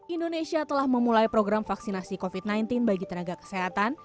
indonesia telah memulai program vaksinasi covid sembilan belas bagi tenaga kesehatan